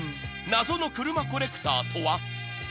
謎の車コレクターとは？］